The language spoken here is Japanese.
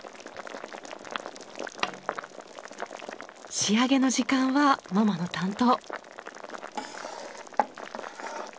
仕上げの時間はママの担当。